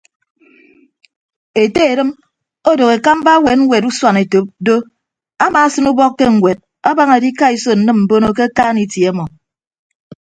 Ete edịm odooho ekamba ewet ñwet usuanetop do amaasịn ubọk ke ñwed abaña edikaiso nnịm mbono ke akaan itie ọmọ.